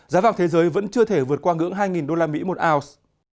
giá vàng thế giới vẫn chưa thể vượt qua ngưỡng hai usd một ounce